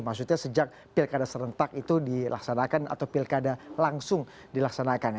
maksudnya sejak pilkada serentak itu dilaksanakan atau pilkada langsung dilaksanakan